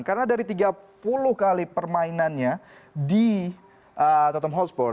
karena dari tiga puluh kali permainannya di tottenham hotspur